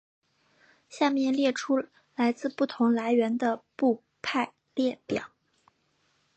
下面列出来自不同来源的部派列表。